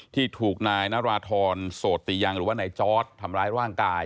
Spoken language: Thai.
ที่ถูกนายนาราธรโสติยังหรือว่านายจอร์ดทำร้ายร่างกาย